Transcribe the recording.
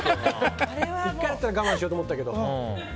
１回だったら我慢しようと思ったけど。